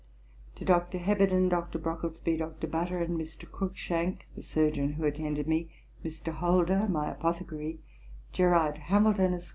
To Dr. Heberden, Dr. Brocklesby, Dr. Butter, and Mr. Cruikshank, the surgeon who attended me, Mr. Holder, my apothecary, Gerard Hamilton, Esq.